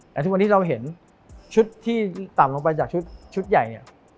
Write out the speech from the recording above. แต่ทุกวันนี้เราเห็นชุดที่ต่ำลงไปจากชุดใหญ่เนี่ย